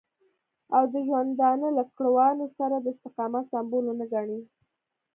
او د ژوندانه له کړاوونو سره د استقامت سمبول ونه ګڼي.